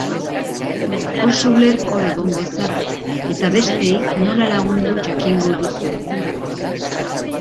Oso ulerkor egongo zara, eta besteei nola lagundu jakingo duzu.